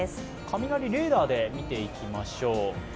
雷レーダーで見ていきましょう。